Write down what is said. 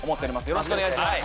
よろしくお願いします